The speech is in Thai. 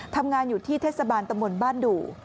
ทำงานอยู่ที่เทศบาลตำบลบ้านดู